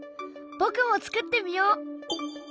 僕も作ってみよう！